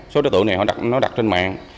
sổ đối tượng này họ đặt trên mạng